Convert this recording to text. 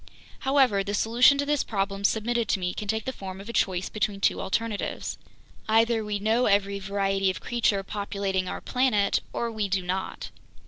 "However, the solution to this problem submitted to me can take the form of a choice between two alternatives. "Either we know every variety of creature populating our planet, or we do not.